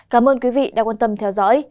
cảm ơn quý vị đã quan tâm theo dõi